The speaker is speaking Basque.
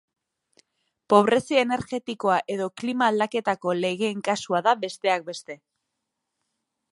Pobrezia energetikoa edo klima aldaketako legeen kasua da, besteak beste.